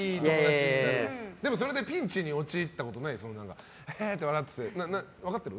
それでピンチに陥ったことないの？へへって笑ってて分かっている？